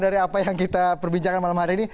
dari apa yang kita perbincangkan malam hari ini